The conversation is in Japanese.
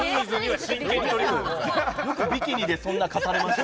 よくビキニでそんなに語れますね。